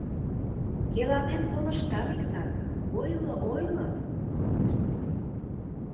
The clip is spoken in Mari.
— Келанен колыштам, Игнат, ойло, ойло! — манеш Сергей.